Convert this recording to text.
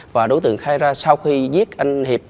và đối tượng khai ra sau khi giết anh hiệp